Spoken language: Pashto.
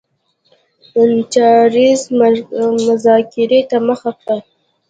چارلېز مذاکرې ته مخه کړه.